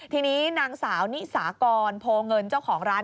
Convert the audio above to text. ทีนี้นางสาวนิสากรโพเงินเจ้าของร้าน